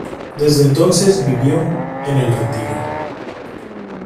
Desde entonces vivió en el retiro.